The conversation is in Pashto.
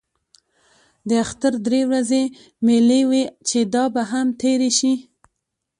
د اختر درې ورځې مېلې وې چې دا به هم تېرې شي.